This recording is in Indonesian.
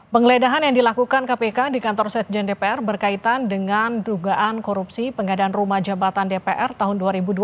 penggeledahan yang dilakukan kpk di kantor sekjen dpr berkaitan dengan dugaan korupsi pengadaan rumah jabatan dpr tahun dua ribu dua puluh